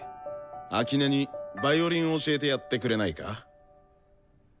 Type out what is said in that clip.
秋音にヴァイオリン教えてやってくれないか？